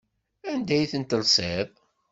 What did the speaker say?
Anda ay ten-telsiḍ?